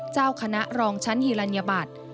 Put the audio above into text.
เจ้าคณะรองชั้นฮิลัญญบัตร